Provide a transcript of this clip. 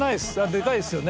でかいですよね。